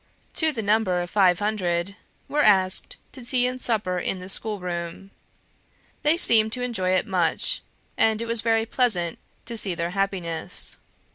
to the number of five hundred, were asked to tea and supper in the School room. They seemed to enjoy it much, and it was very pleasant to see their happiness.